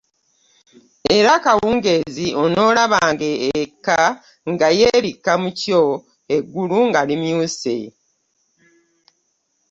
Era akawungeezi onoolabanga nga ekka nga yeebikka mu kyo, eggulu nga limyuse.